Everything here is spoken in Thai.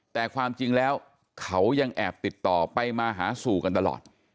แต่ความจริงแล้วเขายังแอบติดต่อไปมาหาสู่กันตลอด